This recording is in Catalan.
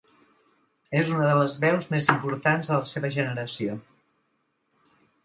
És una de les veus més importants de la seva generació.